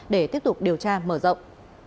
để tiếp tục điều tra mở rộng